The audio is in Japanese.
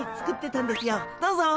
どうぞ。